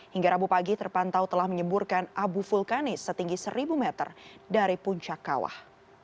hingga rabu pagi terpantau telah menyemburkan abu vulkanis setinggi seribu meter dari puncak kawah